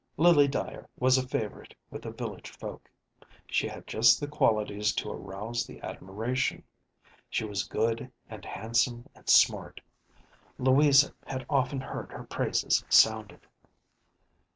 Lily Dyer was a favorite with the village folk; she had just the qualities to arouse the admiration. She was good and handsome and smart. Louisa had often heard her praises sounded.